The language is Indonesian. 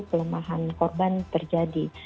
kelemahan korban terjadi